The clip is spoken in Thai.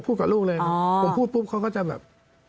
กับลูกเลยผมพูดปุ๊บเขาก็จะแบบ